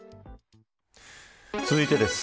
続いてです。